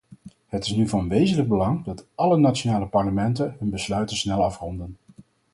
Het is nu van wezenlijk belang dat alle nationale parlementen hun besluiten snel afronden.